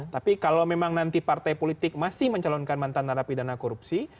tapi kalau memang nanti partai politik masih mencalonkan mantan narapidana korupsi